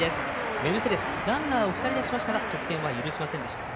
メルセデス、ランナーを２人出しましたが得点を許しませんでした。